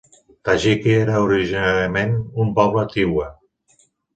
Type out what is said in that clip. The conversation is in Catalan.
Tajique era originàriament un poble Tiwa.